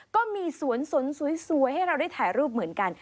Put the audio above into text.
ก็มีสวนสนสวยให้เราได้ถ่ายรูปเหมือนกัน